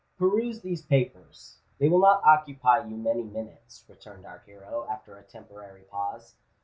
"Peruse these papers—they will not occupy you many minutes," returned our hero, after a temporary pause.